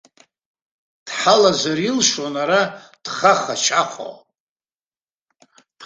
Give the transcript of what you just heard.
Дҳалазар илшон ара дхаха-чахо.